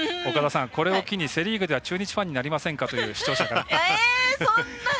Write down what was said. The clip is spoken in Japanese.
これを機にセ・リーグでは中日ファンになりませんか？という視聴者の方が。